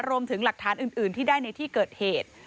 รวมถึงหลักฐานอื่นที่ได้ในที่เกิดเหตุ